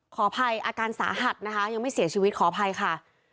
ขออภัยอาการสาหัสนะคะยังไม่เสียชีวิตขออภัยค่ะ